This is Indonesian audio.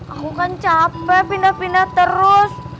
aku kan capek pindah pindah terus